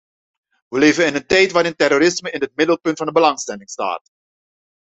Wij leven in een tijd waarin terrorisme in het middelpunt van de belangstelling staat.